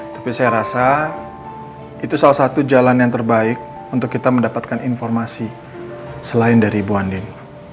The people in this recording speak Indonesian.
tapi saya rasa itu salah satu jalan yang terbaik untuk kita mendapatkan informasi selain dari ibu ani